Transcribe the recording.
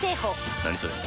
何それ？